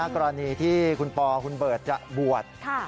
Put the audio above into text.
กรณีที่คุณปอคุณเบิร์ตจะบวช